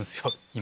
今。